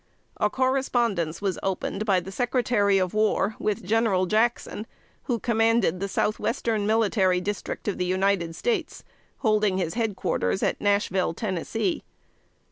A correspondence was opened by the Secretary of War with General Jackson, who commanded the Southwestern Military District of the United States, holding his head quarters at Nashville, Tennessee.